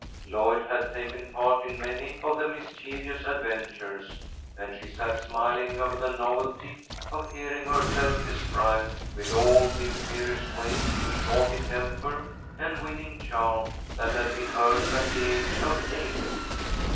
Lloyd had taken part in many of the mischievous adventures, and she sat smiling over the novelty of hearing herself described with all the imperious ways, naughty temper, and winning charm that had been hers at the age of eight.